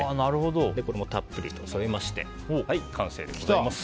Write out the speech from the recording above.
これもたっぷりと添えまして完成でございます。